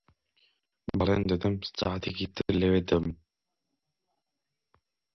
بەڵێن دەدەم سەعاتێکی تر لەوێ دەبم.